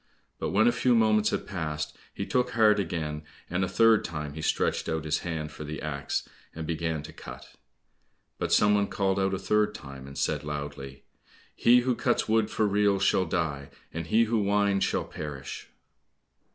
But when a few moments had passed, he took heart again, and a third time he stretched out his hand for the axe, and began to cut. But some one called out a third time, and said loudly, "He who cuts wood for reels shall die, And he who winds, shall perish."